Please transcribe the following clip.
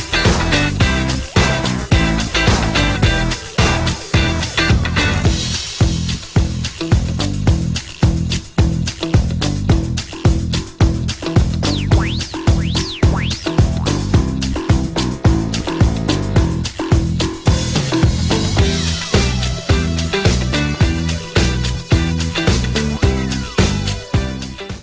โปรดติดตามตอนต่อไป